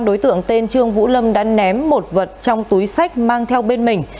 đối tượng tên trương vũ lâm đã ném một vật trong túi sách mang theo bên mình